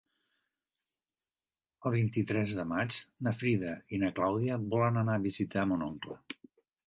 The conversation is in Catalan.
El vint-i-tres de maig na Frida i na Clàudia volen anar a visitar mon oncle.